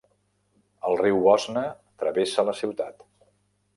El riu Bosna travessa la ciutat.